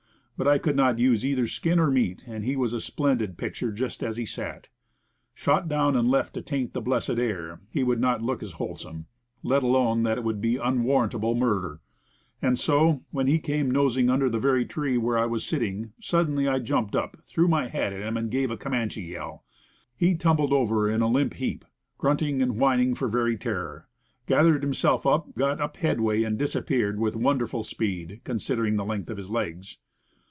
But I could not use either skin or meat, and he was a splendid picture just as he sat. Shot down and left to taint the blessed air, he would not look as whole some, let alone that it would be unwarrantable murder. And so, when he came nosing under the very tree where I was sitting, I suddenly jumped up, threw my hat at him, and gave a Comanche yell. He tumbled over in a limp heap, grunting and whin ing for very terror, gathered himself up, got up head way, and disappeared with wonderful speed consid ering the length of his legs.